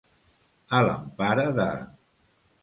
A l'empara de.